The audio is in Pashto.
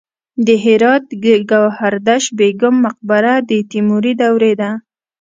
د هرات د ګوهردش بیګم مقبره د تیموري دورې ده